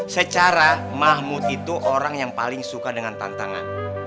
secara mahmud itu orang yang paling suka dengan tantangan